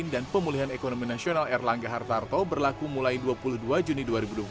dan pemulihan ekonomi nasional erlangga hartarto berlaku mulai dua puluh dua juni dua ribu dua puluh satu